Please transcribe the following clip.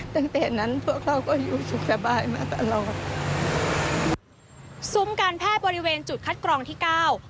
ตั้งแต่นั้นพวกเราก็อยู่สุขสบายมาตลอดซุ้มการแพทย์บริเวณจุดคัดกรองที่เก้า